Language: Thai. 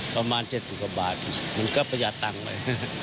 ประมาณ๗๐กว่าบาทมันก็ประหยัดตังค์ไป